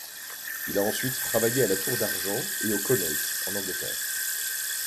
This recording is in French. Il a ensuite travaillé à La Tour d'Argent et au Connaught en Angleterre.